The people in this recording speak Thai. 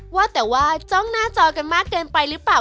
ว่าแต่ว่าจ้องหน้าจอกันมากเกินไปหรือเปล่า